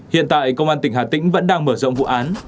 hiện tại công an tỉnh hà tĩnh vẫn đang mở rộng vụ án